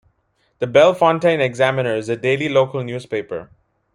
The "Bellefontaine Examiner" is the daily local newspaper.